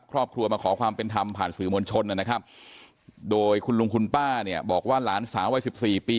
ครอบครัวมาขอความเป็นธรรมผ่านสื่อมวลชนนะครับโดยคุณลุงคุณป้าเนี่ยบอกว่าหลานสาววัยสิบสี่ปี